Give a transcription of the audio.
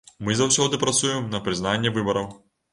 Мы заўсёды працуем на прызнанне выбараў.